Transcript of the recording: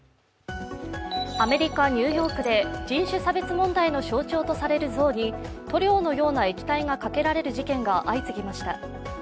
アメリカ・ニューヨークで人種差別問題の象徴とされる像に塗料のような液体がかけられる事件が相次ぎました。